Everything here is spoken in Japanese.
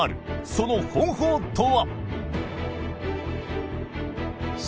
その方法とは？